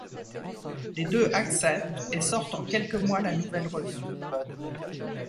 Les deux acceptent et sortent en quelques mois la nouvelle revue.